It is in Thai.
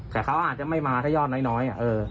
แต่มันอาจจะไม่มาจะได้ซ่อนได้หน่อย